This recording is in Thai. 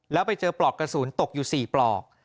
แล้วไปเจอปลอกกระสุนตกอยู่๔ปลอก